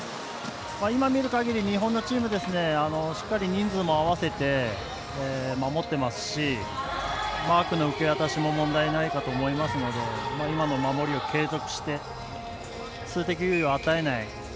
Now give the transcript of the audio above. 今見るかぎり日本のチームしっかり人数も合わせて守ってますしパックの受け渡しも問題ないかと思いますので今の守りを継続して数的優位を作らない。